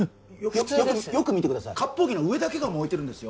よく見てください割烹着の上だけが燃えてるんですよ